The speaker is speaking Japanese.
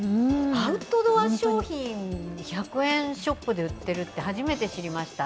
アウトドア商品、１００円ショップで売ってるって初めて知りました。